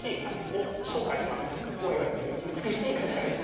おいおい「美しい蚊」じゃないよ